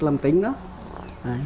làm tính đó